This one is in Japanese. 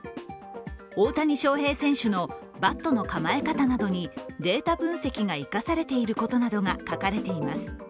大谷翔平選手のバットの構え方などにデータ分析が生かされていることなどが書かれています。